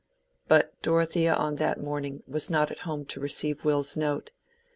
But Dorothea on that morning was not at home to receive Will's note.